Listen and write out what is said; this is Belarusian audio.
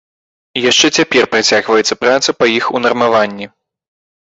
І яшчэ цяпер працягваецца праца па іх унармаванні.